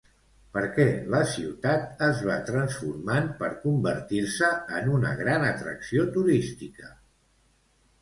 Perquè la ciutat es va transformant per convertir-se en una gran atracció turística?